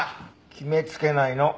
決めつけないの。